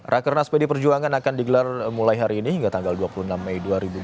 rakernas pd perjuangan akan digelar mulai hari ini hingga tanggal dua puluh enam mei dua ribu dua puluh